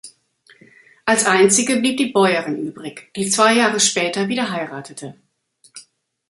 Als einzige blieb die Bäuerin übrig, die zwei Jahre später wieder heiratete.